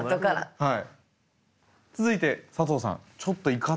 はい。